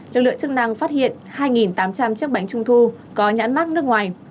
lực lượng chức năng phát hiện hai tám trăm linh chiếc bánh trung thu có nhãn mát nước ngoài